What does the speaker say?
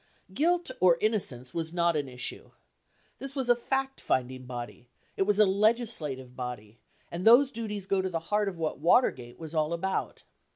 Guilt or innocence was not an issue. This was a fact finding body ; it was a legislative body ; and those duties go to the heart of what Watergate was all about.